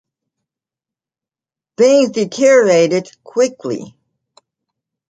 Things deteriorated quickly.